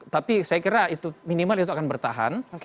tapi saya kira itu minimal itu akan bertahan